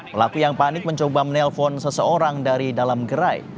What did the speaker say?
pelaku yang panik mencoba menelpon seseorang dari dalam gerai